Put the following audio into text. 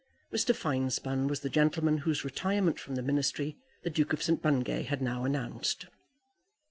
Mr. Finespun was the gentleman whose retirement from the ministry the Duke of St. Bungay had now announced.